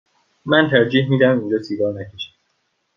من ترجیح می دهم اینجا سیگار نکشی.